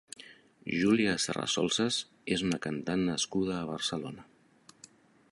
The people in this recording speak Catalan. Júlia Serrasolsas és una cantant nascuda a Barcelona.